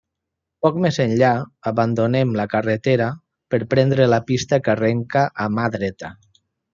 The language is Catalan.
Poc més enllà, abandonem la carretera per prendre la pista que arrenca a mà dreta.